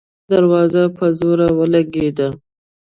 دروازه په زور ولګېده.